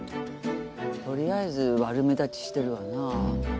取りあえず悪目立ちしてるわなぁ。